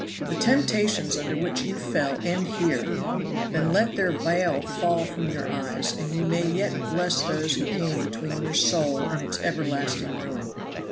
The temptations under which you fell end here; then let their veil fall from your eyes, and you may yet bless those who came between your soul and its everlasting ruin.